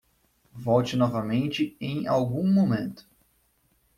Volte novamente em algum momento.